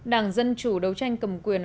đảng dân chủ đấu tranh cầm quyền